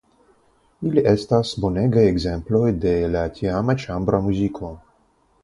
Ili estas bonegaj ekzemploj de la tiama ĉambra muziko.